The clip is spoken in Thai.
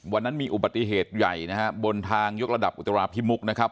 มันมีอุบัติเหตุใหญ่นะฮะบนทางยกระดับอุตราพิมุกนะครับ